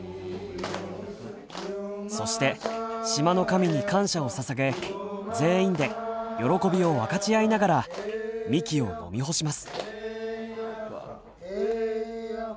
そして島の神に感謝をささげ全員で喜びを分かち合いながらみきを飲み干します。